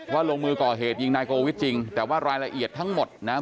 ลงมือก่อเหตุยิงนายโกวิทจริงแต่ว่ารายละเอียดทั้งหมดนะครับ